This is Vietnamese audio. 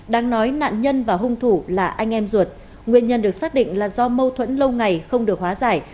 đáng nói nạn nhân và hung thủ là anh em ruột nguyên nhân được xác định là do mâu thuẫn lâu ngày không được hóa giải